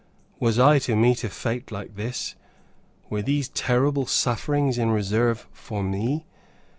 Was I to meet a fate like this? Were those terrible sufferings in reserve for me?